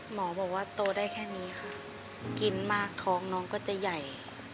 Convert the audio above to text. หมอบอกว่าโตได้แค่นี้ค่ะกินมากท้องน้องก็จะใหญ่